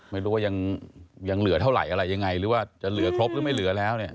ไม่รู้ว่ายังเหลือเท่าไหร่อะไรยังไงหรือว่าจะเหลือครบหรือไม่เหลือแล้วเนี่ย